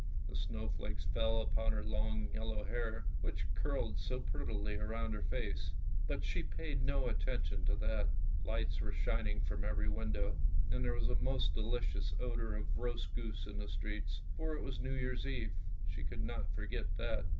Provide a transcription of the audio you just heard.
The snowflakes fell upon her long yellow hair, which curled so prettily round her face, but she paid no attention to that. Lights were shining from every window, and there was a most delicious odour of roast goose in the streets, for it was New Year's Eve — she could not forget that.